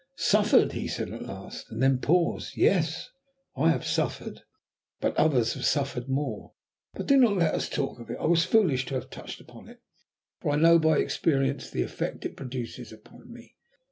"Suffered?" he said at last, and then paused. "Yes, I have suffered but others have suffered more. But do not let us talk of it. I was foolish to have touched upon it, for I know by experience the effect it produces upon me."